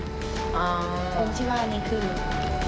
องค์ที่ว่านี้คือ